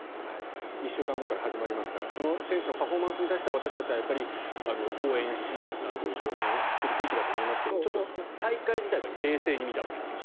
２週間後から始まりますから選手のパフォーマンスに関しては応援し、称賛するべきだと思いますけれども大会自体は冷静に見たほうがいいという。